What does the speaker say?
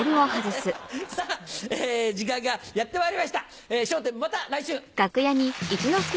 さぁ時間がやってまいりました『笑点』また来週。